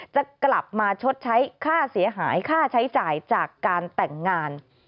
จะกลับมาชดใช้ค่าเสียหายค่าใช้จ่ายจากการแต่งงาน